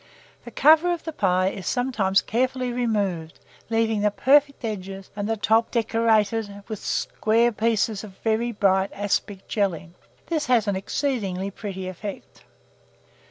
The cover of the pie is sometimes carefully removed, leaving the perfect edges, and the top decorated with square pieces of very bright aspic jelly: this has an exceedingly pretty effect.